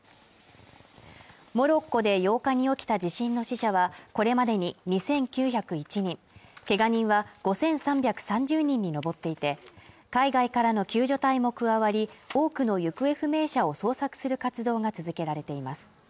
モロッコで８日に起きた地震の死者はこれまでに２９０１人けが人は５３３０人に上っていて海外からの救助隊も加わり多くの行方不明者を捜索する活動が続けられています